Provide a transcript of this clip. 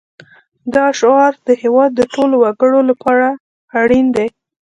دا شعار د هېواد د ټولو وګړو لپاره اړین دی